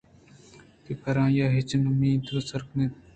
کہ پرآئی ءَ ہچ نہ منتگ ءُ سرنیتکگ اَت